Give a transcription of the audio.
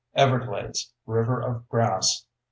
_Everglades: River of Grass.